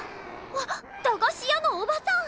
わっ駄菓子屋のおばさん！